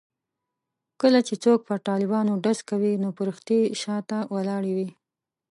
کله چې څوک پر طالبانو ډز کوي نو فرښتې یې شا ته ولاړې وي.